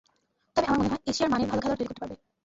তবে আমার মনে হয়, এশিয়ার মানের ভালো খেলোয়াড় তৈরি করতে পারবে।